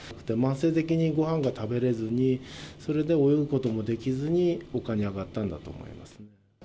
慢性的にごはんが食べれずに、それで泳ぐこともできずに、丘に上がったんだと思います。